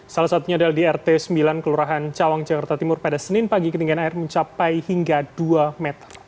salah satunya adalah di rt sembilan kelurahan cawang jakarta timur pada senin pagi ketinggian air mencapai hingga dua meter